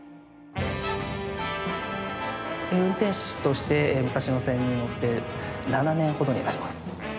運転士として、武蔵野線に乗って７年程になります。